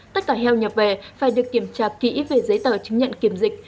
tất cả heo nhập về phải được kiểm tra kỹ về giấy tờ chứng nhận kiểm dịch